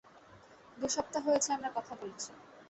দু সপ্তাহ হয়েছে আমরা কথা বলছি।